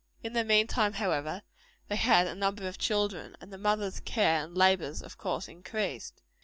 In the mean time, however, they had a number of children; and the mother's cares and labors of course increased.